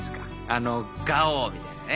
あのガオみたいなね。